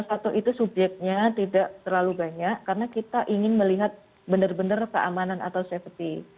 atau itu subjeknya tidak terlalu banyak karena kita ingin melihat benar benar keamanan atau safety